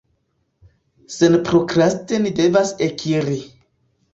Senprokraste ni devas ekiri.